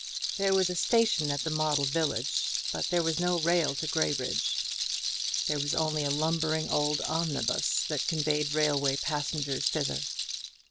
There was a station at the model village; but there was no rail to Graybridge; there was only a lumbering old omnibus, that conveyed railway passengers thither.